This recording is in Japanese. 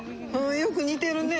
よく似てるね。